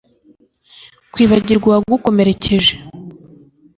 Kwibagirwa uwagukomerekeje